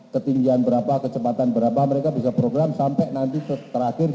ketinggian berapa kecepatan berapa mereka bisa program sampai nanti terakhir